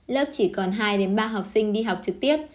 lớp chỉ còn hai ba học sinh đi học trực tiếp